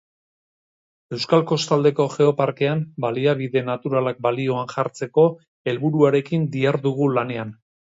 Euskal Kostaldeko Geoparkean baliabide naturalak balioan jartzeko helburuarekin dihardugu lanean.